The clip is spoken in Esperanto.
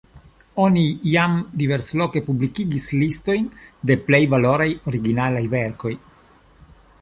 Oni jam diversloke publikigis listojn de plej valoraj originalaj verkoj.